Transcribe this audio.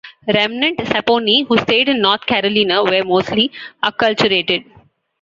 Remnant Saponi who stayed in North Carolina were mostly acculturated.